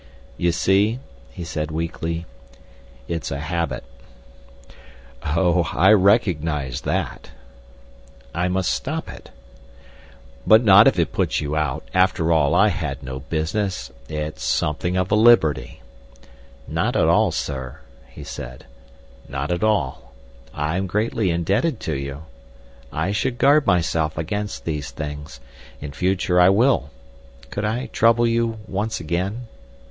"You see," he said weakly, "it's a habit." "Oh, I recognise that." "I must stop it." "But not if it puts you out. After all, I had no business—it's something of a liberty." "Not at all, sir," he said, "not at all. I am greatly indebted to you. I should guard myself against these things. In future I will. Could I trouble you—once again?